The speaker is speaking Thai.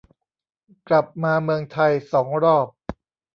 กลับมาเมืองไทยสองรอบ